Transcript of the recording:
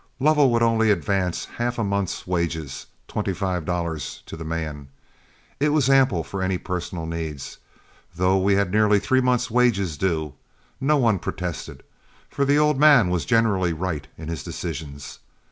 Lovell would only advance half a month's wages twenty five dollars to the man. It was ample for any personal needs, though we had nearly three months' wages due, and no one protested, for the old man was generally right in his decisions.